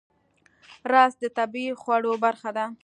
رس د طبیعي خواړو برخه ده